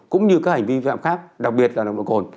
cũng như các hành vi vi phạm khác đặc biệt là nồng độ cồn